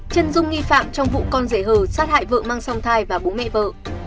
trân dung nghi phạm trong vụ con rẻ hờ sát hại vợ mang song thai và bố mẹ vợ